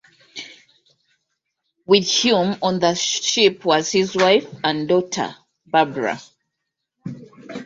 With Hume on the ship was his wife and daughter, Barbara.